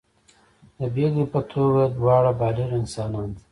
د بېلګې په توګه دواړه بالغ انسانان دي.